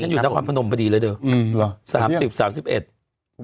ฉันอยู่นครพนมไปดีเลยเดี๋ยวสถานที่๓๐๓๑